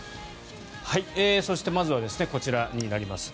そしてまずはこちらになりますね。